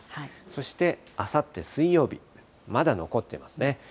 そしてあさって水曜日、まだ残ってますね。